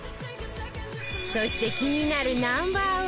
そして気になる Ｎｏ．１